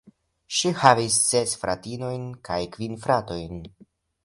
Ŝi havis ses fratinojn kaj kvin fratojn.